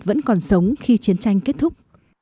vẫn còn sống khi chiến tranh kết thúc